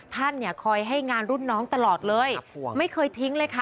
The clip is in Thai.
ท่านเนี่ยคอยให้งานรุ่นน้องตลอดเลยไม่เคยทิ้งเลยค่ะ